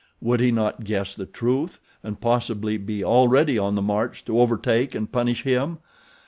Would he not guess the truth and possibly be already on the march to overtake and punish him?